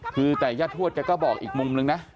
คือแต่ญาติทวชแกก็บอกอีกมุมหนึ่งนะ